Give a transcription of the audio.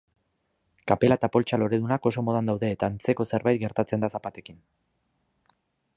Kapela eta poltsa loredunak oso modan daude eta antzeko zerbait gertatzen da zapatekin.